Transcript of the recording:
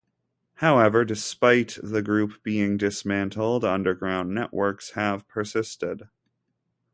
However, despite the group being dismantled, underground networks have persisted.